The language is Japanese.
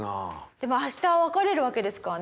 でも明日別れるわけですからね。